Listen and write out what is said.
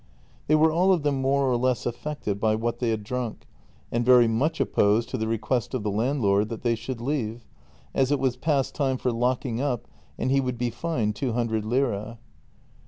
They were all of them more or less affected by what they had drunk, and very much opposed to the request of the landlord that they should leave, as it was past time for locking up and he would be fined two hundred lire.